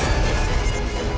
ya kita kembali ke sekolah